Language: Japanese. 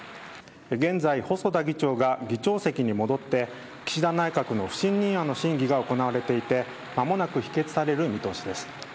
現在、細田議長が議長席に戻って岸田内閣の不信任案の審議が行われていてまもなく否決される見通しです。